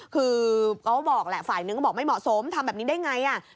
คือเขาบอกแหละฝ่ายนึงก็บอกไม่เหมาะสมทำแบบนี้ได้ไง